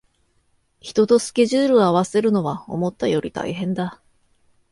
人とスケジュールを合わせるのは思ったより大変だ